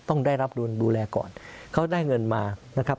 ต้องได้รับดูแลก่อนเขาได้เงินมานะครับ